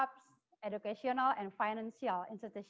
mereka tidak terkait dengan pandemi ini